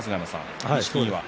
錦木は。